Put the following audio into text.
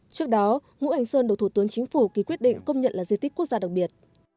trước đó ngũ hành sơn được thủ tướng chính phủ ký quyết định công nhận là di tích quốc gia đặc biệt